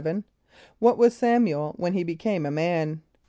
= What was S[)a]m´u el when he became a man?